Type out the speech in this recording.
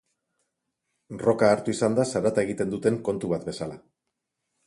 Rocka hartu izan da zarata egiten duten kontu bat bezala.